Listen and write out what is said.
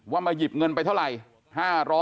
มาหยิบเงินไปเท่าไหร่